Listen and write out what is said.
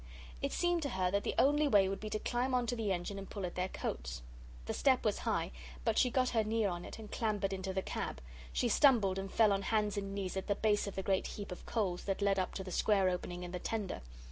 It seemed to her that the only way would be to climb on to the engine and pull at their coats. The step was high, but she got her knee on it, and clambered into the cab; she stumbled and fell on hands and knees on the base of the great heap of coals that led up to the square opening in the tender.